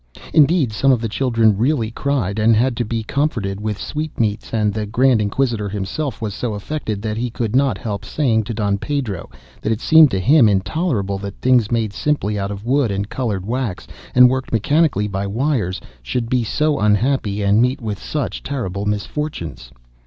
Indeed some of the children really cried, and had to be comforted with sweetmeats, and the Grand Inquisitor himself was so affected that he could not help saying to Don Pedro that it seemed to him intolerable that things made simply out of wood and coloured wax, and worked mechanically by wires, should be so unhappy and meet with such terrible misfortunes.